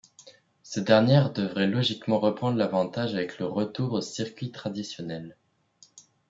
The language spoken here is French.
Ces dernières devraient logiquement reprendre l'avantage avec le retour aux circuits traditionnels.